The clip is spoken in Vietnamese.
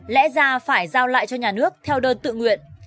lẽ ra phải giao lại cho nhà nước theo đơn tự nguyện